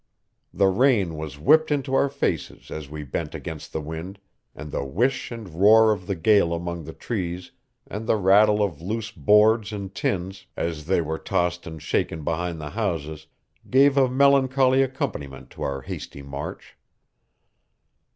The rain was whipped into our faces as we bent against the wind, and the whish and roar of the gale among the trees, and the rattle of loose boards and tins, as they were tossed and shaken behind the houses, gave a melancholy accompaniment to our hasty march.